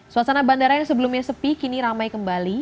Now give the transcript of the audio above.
suasana bandara yang sebelumnya sepi kini ramai kembali